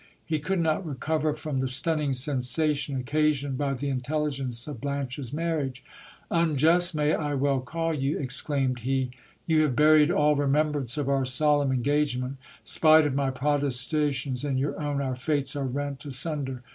He could not recover from the stunning sensation, occasioned by the intelligence of Blanche's marriage. Unjust may I well call you, exclaimed he. You have buried all remembrance of our solemn engagement ! Spite of my protestations and your own, our fates are rent asunder